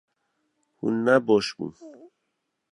Hûn ne baş bûn